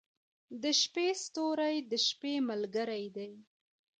• د شپې ستوري د شپې ملګري دي.